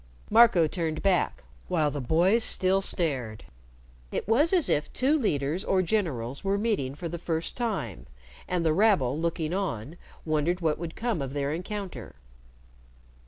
Marco turned back, while the boys still stared. It was as if two leaders or generals were meeting for the first time, and the rabble, looking on, wondered what would come of their encounter.